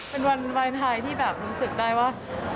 เป็นวันวายไทยที่แบบรู้สึกได้ว่า